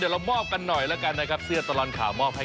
สิอยากกินอร่อยอร่อยจนโยกดุลพวกให้